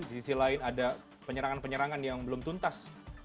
di sisi lain ada penyerangan penyerangan yang belum tuntas